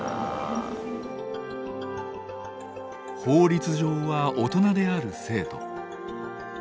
法律上は大人である生徒。